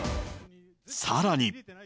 さらに。